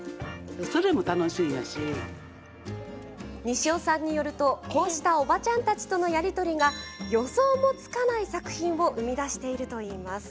西尾さんによるとこうしたおばちゃんたちとのやり取りが、予想もつかない作品を生み出しているといいます。